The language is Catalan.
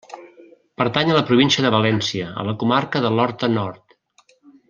Pertany a la Província de València, a la comarca de l'Horta Nord.